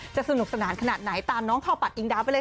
สนุกสนานขนาดไหนตามน้องเข้าปัดอิงดาวไปเลย